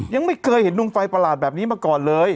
ยังไม่เคยเห็นดวงไฟประหลาดแบบนี้มาก่อนเลย